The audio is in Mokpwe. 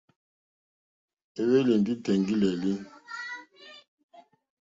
Éhwélì ndí tèŋɡí!lélí.